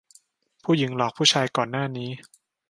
ผู้หญิงหลอกผู้ชายก่อนหน้านี้